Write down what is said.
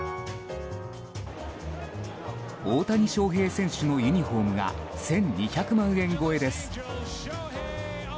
大谷翔平選手のユニホームが１２００万円超えです。